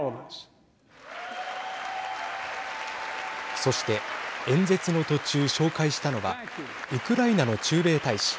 そして演説の途中紹介したのはウクライナの駐米大使。